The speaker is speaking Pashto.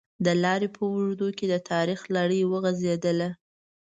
د لارې په اوږدو کې د تاریخ لړۍ وغزېدله.